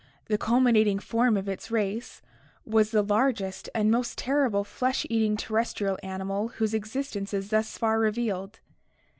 the culminating form of its race, was the largest and most terrible flesh eating terrestrial animal whose existence is thus far revealed.